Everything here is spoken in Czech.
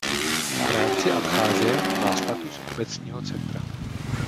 V rámci Abcházie má status obecního centra.